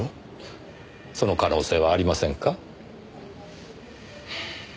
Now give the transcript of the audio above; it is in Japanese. その可能性はありませんか？